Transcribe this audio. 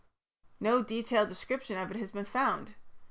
No detailed description of it has been found.